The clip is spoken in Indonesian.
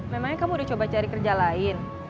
memangnya kamu udah coba cari kerja lain